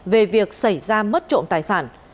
về việc xảy ra mất trộm tài sản